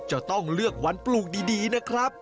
จะต้องเลือกวันปลูกดีนะครับ